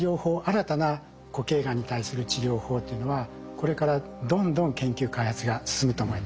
新たな固形がんに対する治療法というのはこれからどんどん研究開発が進むと思います。